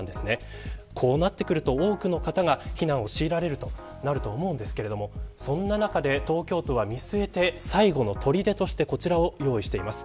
こうなると多くの方が避難を強いられることになりますがそんな中で東京都は見据えて最後のとりでとしてこちらを用意してます。